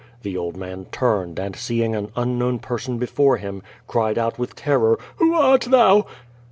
* The old man turned and seeing an unknown person before him, cried out with ter ror: "Who art thou?"